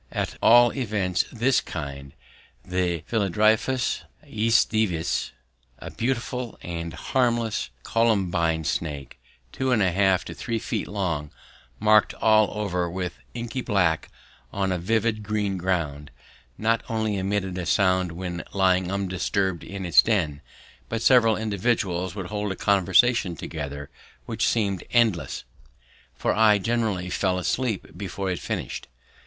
At all events this kind, the Philodryas aestivus a beautiful and harmless colubrine snake, two and a half to three feet long, marked all over with inky black on a vivid green ground not only emitted a sound when lying undisturbed in his den, but several individuals would hold a conversation together which seemed endless, for I generally fell asleep before it finished.